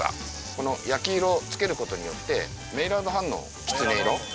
この焼き色をつけることによってメイラード反応きつね色。